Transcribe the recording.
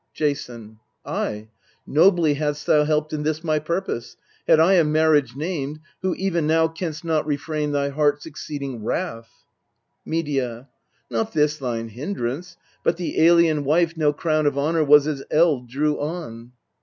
Jason. Ay, nobly hadst thou helped in this my purpose, Had I a marriage named, who even now Canst not refrain thy heart's exceeding wrath ! Medea. Not this thine hindrance, but the alien wife No crown of honour was as eld drew on.